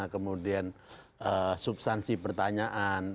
kemudian substansi pertanyaan